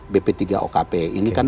bp tiga okp ini kan